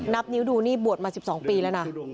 นับนิ้วดูนี่บวชมา๑๒ปีแล้วนะ